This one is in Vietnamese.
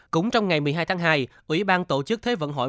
cũng trong ngày một mươi hai tháng hai ủy ban tổ chức thế vận hội